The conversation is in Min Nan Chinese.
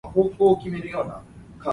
豬無肥，肥佇狗